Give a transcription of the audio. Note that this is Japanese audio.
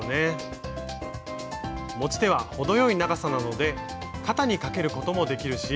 持ち手は程よい長さなので肩にかけることもできるし。